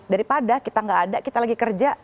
daripada kita gak ada kita lagi kerja